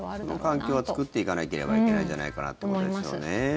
その環境は作っていかなければいけないんじゃないかなということですよね。